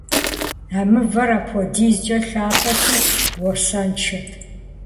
А мывэр апхуэдизкӀэ лъапӀэти, уасэншэт.